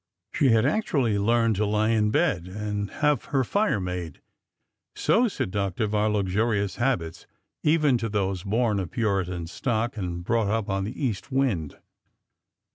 She had actually learned to lie in bed and have her fire made,— so seductive are luxurious habits, even to those born of Puritan stock and brought up on the east wind.